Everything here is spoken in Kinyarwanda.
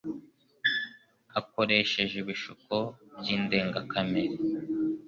akoresheje ibishuko byi ndengakamere